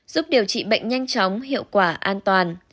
giúp điều trị bệnh nhanh chóng hiệu quả an toàn